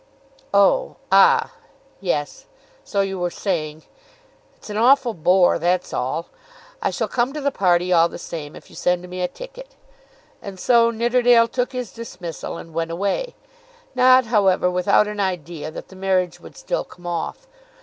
"Oh, ah; yes. So you were saying. It's an awful bore. That's all. I shall come to the party all the same if you send me a ticket." And so Nidderdale took his dismissal, and went away, not however without an idea that the marriage would still come off.